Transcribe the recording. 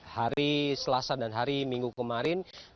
hari selasa dan hari minggu kemarin